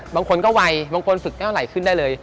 บางคนก็วัยบางคนฝึกได้เวลาไหลขึ้นได้เลย